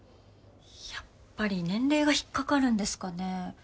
やっぱり年齢が引っ掛かるんですかね。